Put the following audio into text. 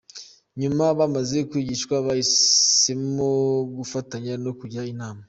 Nyuma bamaze kwigishwa bahisemo gufatanya no kujya inama.